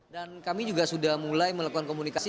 dan kami juga sudah mulai melakukan komunikasi